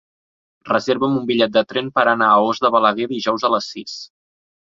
Reserva'm un bitllet de tren per anar a Os de Balaguer dijous a les sis.